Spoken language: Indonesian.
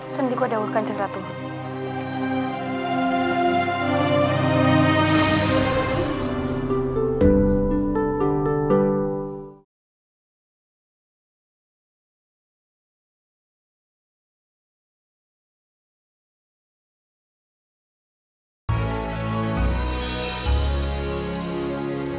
sendiku daulkan jenggara tuhan